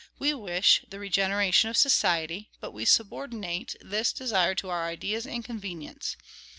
We wish the regeneration of society, but we subordinate this desire to our ideas and convenience.